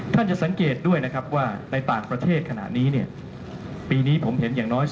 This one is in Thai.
ท่านจะสังเกตด้วยครับว่าในต่างประเทศขณะนี้ปีนี้ผมเห็นอย่างน้อย๒ประเทศ